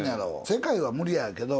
世界は無理やけど。